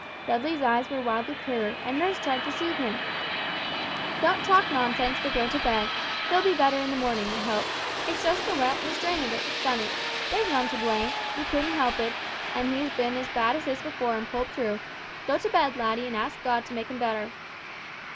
Dudley's eyes were wild with terror, and nurse tried to soothe him. "Don't talk nonsense, but go to bed; he'll be better in the morning, I hope. It's just the wet, and the strain of it that's done it. There's none to blame. You couldn't help it, and he's been as bad as this before and pulled through. Go to bed, laddie, and ask God to make him better."